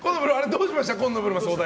どうしました？